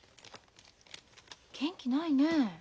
元気ないね。